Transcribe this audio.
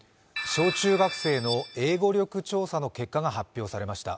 小中学生の英語力調査の結果が発表されました。